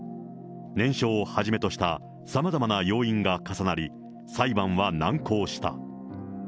念書をはじめとしたさまざまな要因が重なり、裁判は難航した。